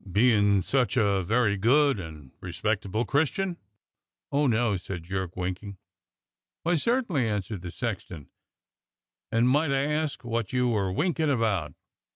"Bein' such a very good and respectable Christian.'^ Oh, no !" said Jerk winking. "Why, certainly," answered the sexton, "and might I ask wot you're a winkin' about?"